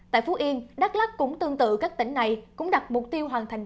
tại phú yên đắk lắc cũng tương tự các tỉnh này cũng đặt mục tiêu hoàn thành